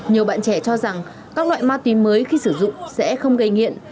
nhiều bạn trẻ cho rằng các loại ma túy mới khi sử dụng sẽ không gây nghiện